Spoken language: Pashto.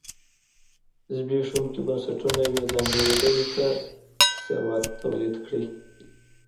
زبېښونکي بنسټونه یوې ځانګړې ډلې ته ثروت تولید کړي.